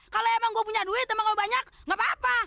kalau emang gue punya duit emang gue banyak gak apa apa